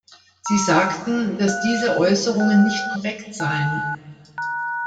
Sie sagten, dass diese Äußerungen nicht korrekt seien.